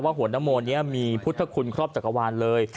ว่าหัวน้ำโมเนี่ยมีพุทธคุณครอบจักรวาลเลย